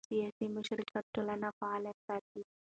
سیاسي مشارکت ټولنه فعاله ساتي